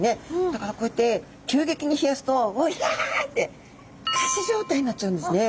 だからこうやって急激に冷やすとうひゃって仮死状態になっちゃうんですね。